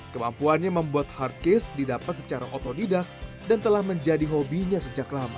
kemampuannya membuat hardcase didapat secara otodidak dan telah menjadi hobinya sejak lama